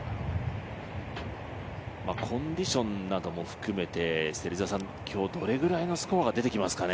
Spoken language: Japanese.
コンディションなども含めて、今日どれぐらいのスコアが出てきますかね。